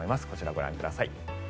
こちら、ご覧ください。